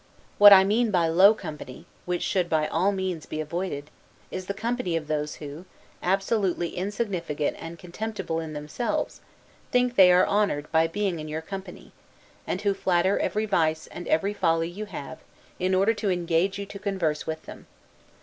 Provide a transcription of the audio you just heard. What I mean by low company, which should by all means be avoided, is the company of those, who, absolutely insignificant and contemptible in themselves, think they are honored by being in your company; and who flatter every vice and every folly you have, in order to engage you to converse with them.